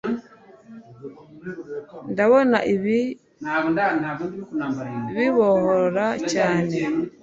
Ndabona ibi bibohora cyane."